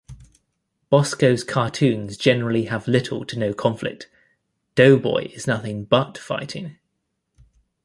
Bosko's cartoons generally have little to no conflict; "Doughboy" is nothing but fighting.